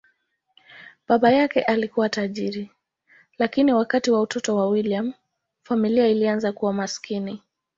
Baba yake alikuwa tajiri, lakini wakati wa utoto wa William, familia ilianza kuwa maskini.